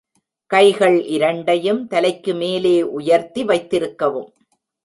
கைகள் இரண்டையும் தலைக்கு மேலே உயர்த்தி வைத்திருக்கவும்.